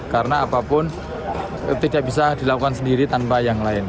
karena apapun tidak bisa dilakukan sendiri tanpa yang lain